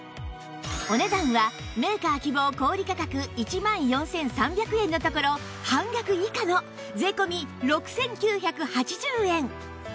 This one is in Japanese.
お値段はメーカー希望小売価格１万４３００円のところ半額以下の税込６９８０円